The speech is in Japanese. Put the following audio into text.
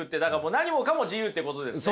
何もかも自由ってことですね。